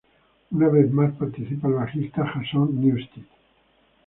Una vez más participa el bajista Jason Newsted.